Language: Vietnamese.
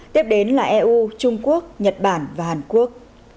tiếp đến là eu trung quốc nhật bản và hàn quốc